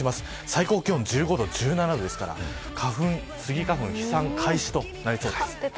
最高気温１５度、１７度ですからスギ花粉飛散開始となりそうです。